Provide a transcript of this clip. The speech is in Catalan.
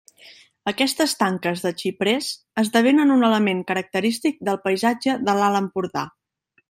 Aquestes tanques de xiprers esdevenen un element característic del paisatge de l'Alt Empordà.